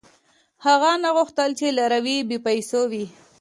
• هغه نه غوښتل، چې لاروي یې بېپېسو وي.